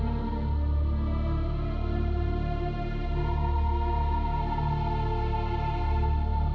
tidak tidak tidak